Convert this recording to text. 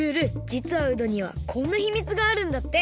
じつはうどにはこんなひみつがあるんだって！